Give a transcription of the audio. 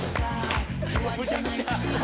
「むちゃくちゃ。